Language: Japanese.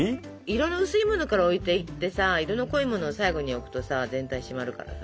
色の薄いものから置いていってさ色の濃いものを最後に置くとさ全体締まるからさ。